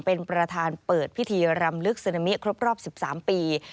เป็นประธานเปิดพิธีรำลึกซึนามิครบรอบ๑๓ปี